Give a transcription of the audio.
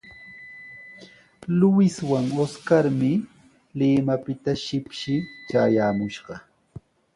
Luiswan Oscarmi Limapita shipshi traayaamushqa.